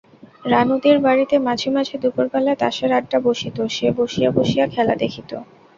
রানুদির বাড়িতে মাঝে মাঝে দুপুরবেলা তাসের আডিডা বাসিত, সে বসিয়া বসিয়া খেলা দেখিত।